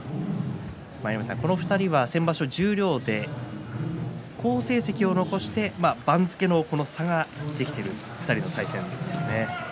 この２人は先場所十両で好成績を残して番付の差ができている２人の対戦です。